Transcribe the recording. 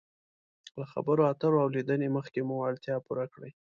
له خبرو اترو او لیدنې مخکې مو اړتیا پوره کړئ.